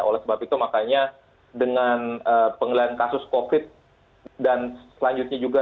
oleh sebab itu makanya dengan pengelan kasus covid sembilan belas dan selanjutnya juga